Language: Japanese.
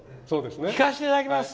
引かせていただきます！